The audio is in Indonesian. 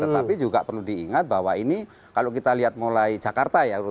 tetapi juga perlu diingat bahwa ini kalau kita lihat mulai jakarta ya